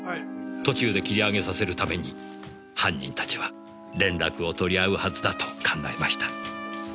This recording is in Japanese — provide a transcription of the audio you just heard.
途中で切り上げさせるために犯人たちは連絡を取り合うはずだと考えました。